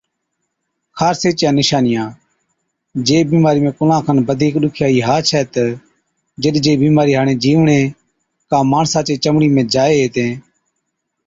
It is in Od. خارسي چِيا نِشانِيا، جي بِيمارِي ۾ ڪُلان کن بڌِيڪ ڏُکيائِي ها ڇَي تہ جِڏ جي بِيمارِي هاڙين جِيوڙين ڪا ماڻسا چِي چمڙِي ۾ جائي هِتين